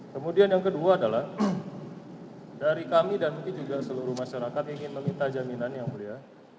kemudian yang kedua adalah dari kami dan mungkin juga seluruh masyarakat ingin meminta jaminan yang mulia